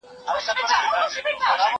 زه اوس کښېناستل کوم!!